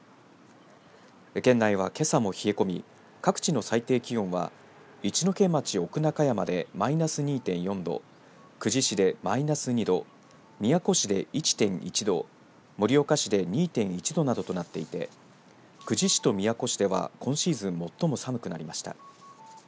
県内は、けさも冷え込み各地の最低気温は一戸町奥中山でマイナス２．４度久慈市でマイナス２度宮古市で１．１度盛岡市で２．１度などとなっていて久慈市と宮古市では今シーズン最も寒くなりました。